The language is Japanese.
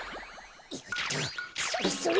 よっとそれそれ！